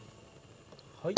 はい。